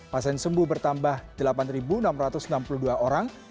pasien sembuh bertambah delapan enam ratus enam puluh dua orang